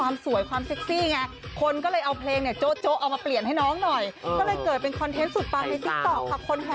มันต้องยอกไหล่ด้วยนะ